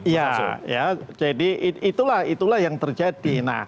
ya jadi itulah yang terjadi